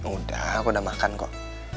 udah aku udah makan kok